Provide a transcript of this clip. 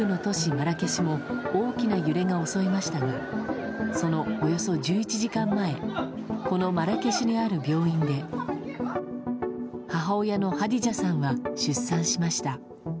マラケシュも大きな揺れが襲いましたが、そのおよそ１１時間前、このマラケシュにある病院で、母親のハディジャさんは、出産しました。